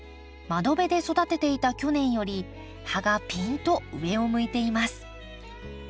窓辺で育てていた去年より葉がピンと上を向いています